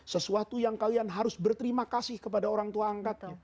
sesuatu yang kalian harus berterima kasih kepada orang tua angkat